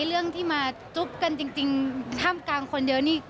เรื่องที่มาจุ๊บกันจริงท่ามกลางคนเยอะนี่